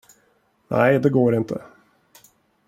Nej, det går inte.